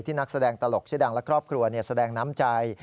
ที่นักแสดงตลกแสดงและครอบครัวแสดงน้ำใจ